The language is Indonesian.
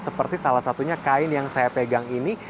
seperti salah satunya kain yang saya pegang ini